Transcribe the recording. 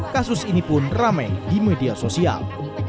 kasus ini pun ramai di media sosial